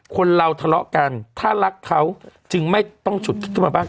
คนเราทะเลาะกันถ้ารักเขาจึงไม่ต้องฉุดคิดขึ้นมาบ้าง